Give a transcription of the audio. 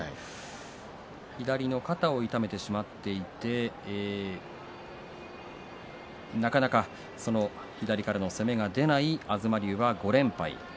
左の肩を痛めてしまってなかなか左からの攻めが出ない東龍５連敗です。